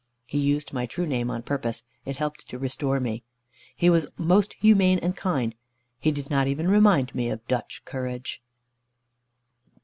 He used my true name on purpose; it helped to restore me. He was most humane and kind; he did not even remind me of Dutch courage.